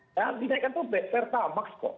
nah dinaikkan tuh pertamax kok